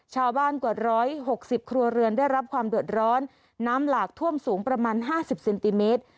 กว่า๑๖๐ครัวเรือนได้รับความเดือดร้อนน้ำหลากท่วมสูงประมาณ๕๐เซนติเมตร